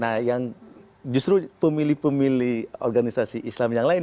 nah yang justru pemilih pemilih organisasi islam yang lain